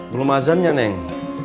belum azannya neng